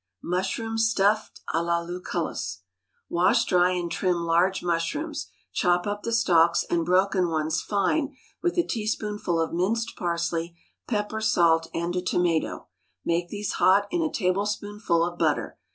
Mushrooms Stuffed à la Lucullus. Wash, dry, and trim large mushrooms; chop up the stalks and broken ones fine with a teaspoonful of minced parsley, pepper, salt, and a tomato; make these hot in a tablespoonful of butter.